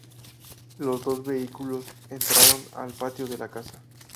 Los dos vehículos entraron al patio de la casa.